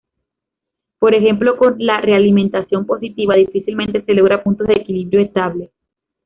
Por ejemplo con la realimentación positiva, difícilmente se logran puntos de equilibrio estable.